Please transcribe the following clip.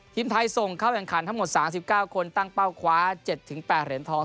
ทีมไทยส่งเข้าแข่งขันทั้งหมด๓๙คนตั้งเป้าคว้า๗๘เหรียญทอง